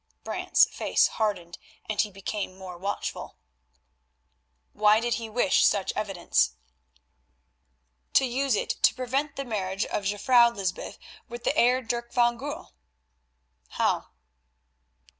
Brant's face hardened, and he became more watchful. "Why did he wish such evidence?" "To use it to prevent the marriage of Jufvrouw Lysbeth with the Heer Dirk van Goorl." "How?"